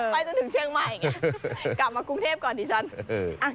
ไปจนถึงเชียงใหม่อย่างนี้กลับมากรุงเทพก่อนดิฉัน